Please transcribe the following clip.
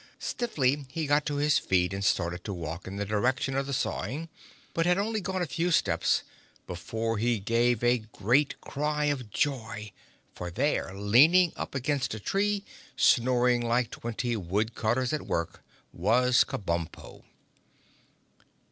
Stiffly he got to his feet and started to walk in the direction of the sawing, but had only gone a few steps before he gave a cry of joy, for there, leaning up against a tree, snoring like twenty wood cutters at work, was Kabumpo.